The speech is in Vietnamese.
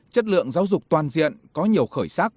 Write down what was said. chất lượng giáo dục toàn diện có nhiều khởi sắc